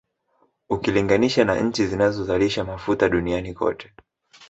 Ukilinganisha na nchi zinazozalisha Mafuta duniani kote